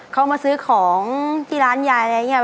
เขามาซื้อของที่ร้านยายอะไรอย่างนี้